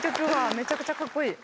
めちゃくちゃかっこいい！